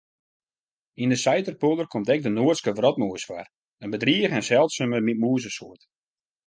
Yn de Saiterpolder komt ek de Noardske wrotmûs foar, in bedrige en seldsume mûzesoarte.